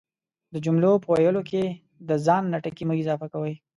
د جملو په ويلو کی دا ځان نه ټکي مه اضافه کوئ،